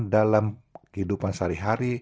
dalam kehidupan sehari hari